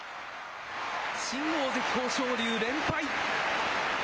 新大関・豊昇龍連敗。